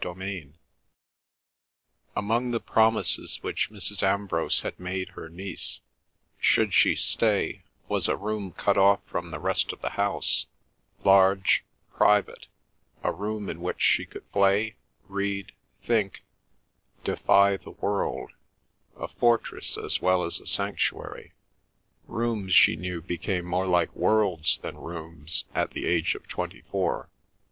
CHAPTER X Among the promises which Mrs. Ambrose had made her niece should she stay was a room cut off from the rest of the house, large, private—a room in which she could play, read, think, defy the world, a fortress as well as a sanctuary. Rooms, she knew, became more like worlds than rooms at the age of twenty four.